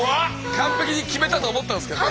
完ぺきに決めたと思ったんですけどね。